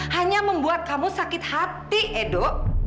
hanya membuat kamu sakit hati edo